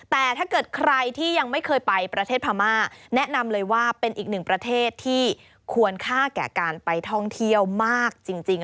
แต่ถ้าเกิดใครที่ยังไม่เคยไปประเทศพม่าแนะนำเลยว่าเป็นอีกหนึ่งประเทศที่ควรค่าแก่การไปท่องเที่ยวมากจริง